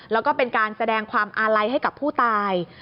แล้วก็เป็นการแสดงความอาลัยให้กับผู้ตาย